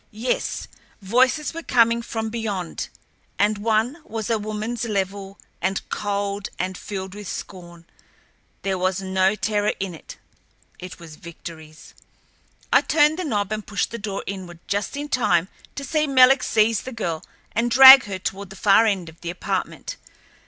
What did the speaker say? Yes, voices were coming from beyond and one was a womanl's, level and cold and filled with scorn. There was no terror in it. It was Victoryl's. I turned the knob and pushed the door inward just in time to see Menelek seize the girl and drag her toward the far end of the apartment.